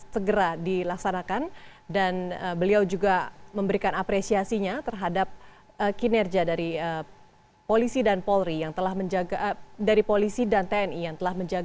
saya minta para penjurasa untuk kembali ke tempat yang telah ditemukan